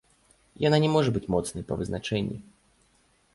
Яна не можа быць моцнай па вызначэнні.